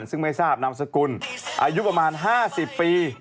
ซึ่งไม่ทราบนามสกุลอายุประมาณ๕๐ปี